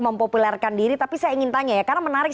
mempopulerkan diri tapi saya ingin tanya ya karena menarik